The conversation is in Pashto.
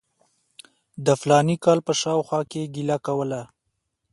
د فلاني کال په شاوخوا کې یې ګیله کوله.